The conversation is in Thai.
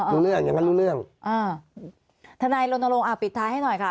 รู้เรื่องยังไม่รู้เรื่องอ่าทนายลนโรงอ่าปิดท้ายให้หน่อยค่ะ